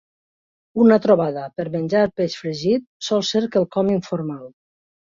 Una trobada per menjar peix fregit sol ser quelcom informal.